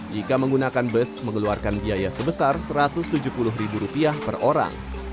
jika menggunakan bus mengeluarkan biaya sebesar rp satu ratus tujuh puluh per orang